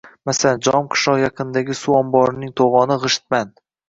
Masalan, Jom qishlog‘i yaqinidagi suv omborining to‘g‘oni G‘ishtband